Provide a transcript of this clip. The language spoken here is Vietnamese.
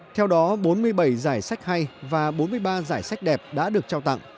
theo đó bốn mươi bảy giải sách hà nội đã được tổ chức